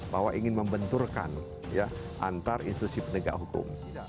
bahwa ingin membenturkan antar institusi penegak hukum